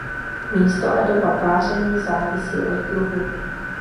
Místo a doba páření závisí od druhu.